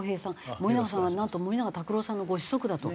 森永さんはなんと森永卓郎さんのご子息だと。